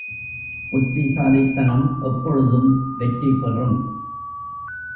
புத்திசாலித்தனம் எப்பொழுதும் வெற்றி பெறும்.